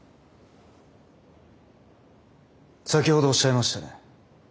先ほどおっしゃいましたね？